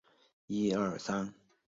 圣帕特里斯。